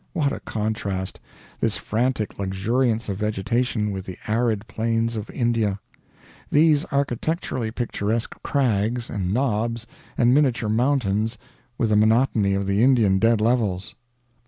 What a contrast, this frantic luxuriance of vegetation, with the arid plains of India; these architecturally picturesque crags and knobs and miniature mountains, with the monotony of the Indian dead levels.